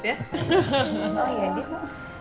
oh iya dia mau